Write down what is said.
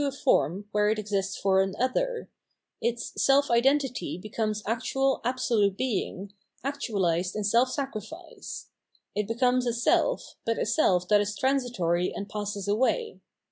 541 Belief and Pure Insight a form where it exists for an other ; its self identity becomes actual Absolute Being, actuahsed in self sacri fice ; it becomes a self, but a self that is transitory and passes away.